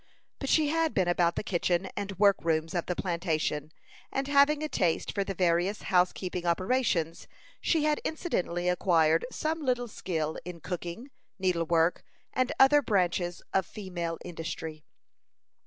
But she had been about the kitchen and work rooms of the plantation, and having a taste for the various housekeeping operations, she had incidentally acquired some little skill in cooking, needle work, and other branches of female industry.